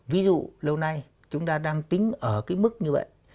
ví dụ lâu nay chúng ta đang tính ở cái mức như vậy